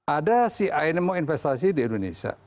ada si ainmo investasi di indonesia